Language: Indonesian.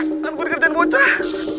kan gue dikerjain bocah